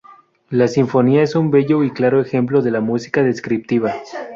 La sinfonía es un bello y claro ejemplo de la música descriptiva.